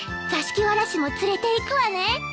座敷わらしも連れていくわね。